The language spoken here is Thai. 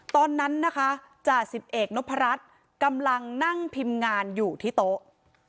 ตอนนั้นนะคะจ่าสิบเอกนพรัชกำลังนั่งพิมพ์งานอยู่ที่โต๊ะ